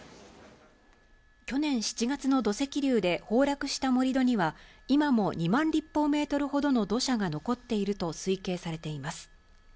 去年７月の土石流で崩落した盛り土には、今も２万立方メートルほどの土砂が残っていると推計されています。